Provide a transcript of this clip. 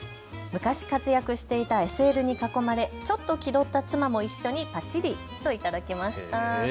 昔、活躍していたＳＬに囲まれちょっと気取った妻も一緒にパチリと頂きました。